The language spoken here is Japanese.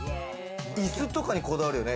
いすとかに、こだわるよね。